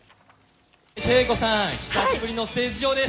ＫＥＩＫＯさん、久しぶりのステージ上です。